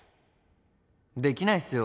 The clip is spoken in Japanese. できないっすよ